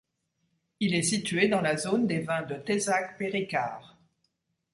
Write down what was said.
Il est situé dans la zone des vins de Thézac-perricard.